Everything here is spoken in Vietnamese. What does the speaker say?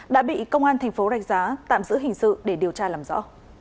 đã bị công an thành phố rạch giá tạm giữ hình sự để điều tra làm rõ